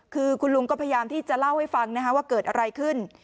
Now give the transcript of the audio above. คือคุณลุงก็พยายามที่จะเล่าให้ฟังว่าเกิดอะไรขึ้น